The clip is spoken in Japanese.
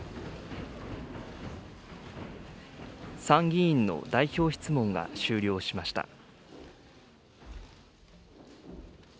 参議院の代表質問が終了しました。